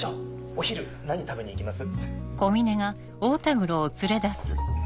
お昼何食べに行きます？